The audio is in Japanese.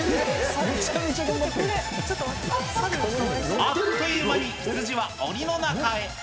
あっという間に羊はおりの中へ。